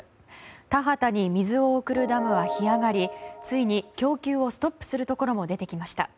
田畑に水を送るダムは干上がりついに供給をストップするところも出てきました。